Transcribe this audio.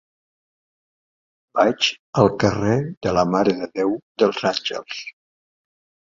Vaig al carrer de la Mare de Déu dels Àngels.